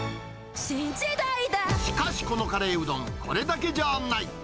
しかし、このカレーうどん、これだけじゃない。